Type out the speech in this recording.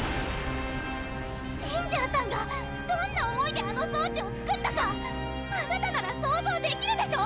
ジンジャーさんがどんな思いであの装置を作ったかあなたなら想像できるでしょ